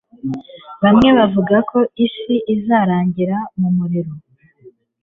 Bamwe bavuga ko isi izarangirira mu muriro